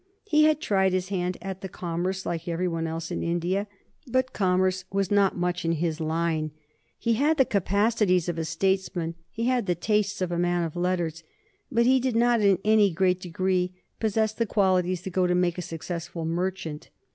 He had tried his hand at commerce like every one else in India, but commerce was not much in his line. He had the capacities of a statesman, he had the tastes of a man of letters, but he did not in any great degree possess the qualities that go to make a successful merchant.